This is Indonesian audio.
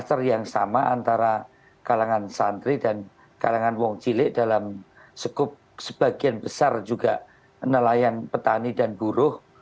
kluster yang sama antara kalangan santri dan kalangan wong cilik dalam sekup sebagian besar juga nelayan petani dan buruh